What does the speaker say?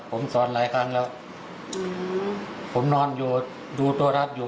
ผมสอนหลายครั้งแล้วผมนอนอยู่ดูตัวรัฐอยู่